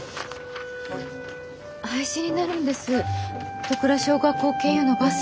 廃止になるんです戸倉小学校経由のバス。